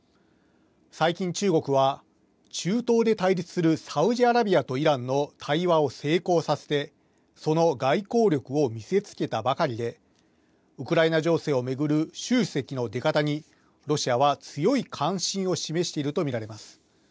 最近、中国は、中東で対立するサウジアラビアとイランの対話を成功させて、その外交力を見せつけたばかりで、ウクライナ情勢を巡る習主席の出方にロシアは強い関心を示していると見られます。